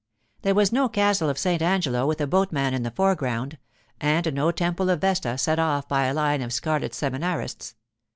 There was no Castle of St. Angelo with a boatman in the foreground, and no Temple of Vesta set off by a line of scarlet seminarists.